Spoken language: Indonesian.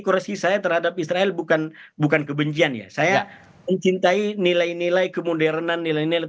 koreksi saya terhadap israel bukan bukan kebencian ya saya mencintai nilai nilai kemodernan nilai nilai